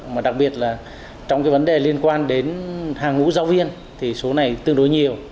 mà đặc biệt là trong cái vấn đề liên quan đến hàng ngũ giáo viên thì số này tương đối nhiều